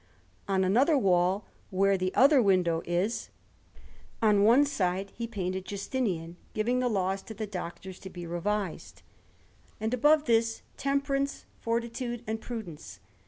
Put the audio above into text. On another wall, where the other window is, on one side, he painted Justinian giving the Laws to the Doctors to be revised; and above this, Temperance, Fortitude, and Prudence.